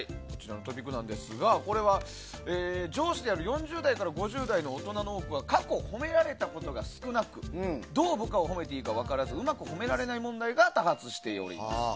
これは、上司である４０代から５０代の大人の多くは過去、褒められたことが少なくどう部下を褒めていいか分からずうまく褒められない問題が多発しております。